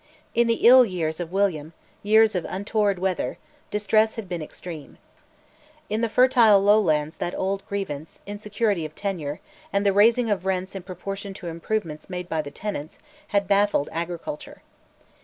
In "the ill years" of William, years of untoward weather, distress had been extreme. In the fertile Lowlands that old grievance, insecurity of tenure, and the raising of rents in proportion to improvements made by the tenants, had baffled agriculture.